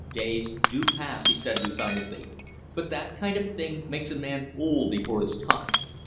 "Days do pass," he said, resignedly "but that kind of thing makes a man old before his time.